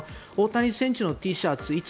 大谷選手のＴシャツ